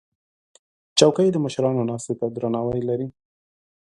چوکۍ د مشرانو ناستې ته درناوی لري.